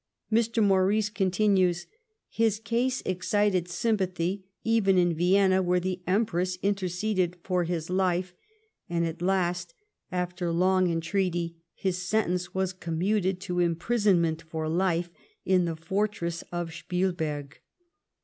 Mr. Maurice continues :" His case excited sympathy, even in Vienna, where the Empress interceded for his life : and at last, after long entreaty, his sentence was commuted to imprisonment for life in the fortress of Spielberg.